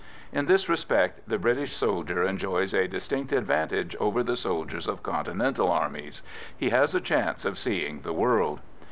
In this respect, the British soldier enjoys a distinct advantage over the soldiers of continental armies; he has a chance of seeing the world.